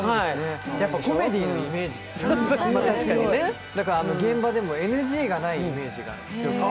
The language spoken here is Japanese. やっぱコメディーのイメージが強くてだから現場でもＮＧがないイメージが強くて。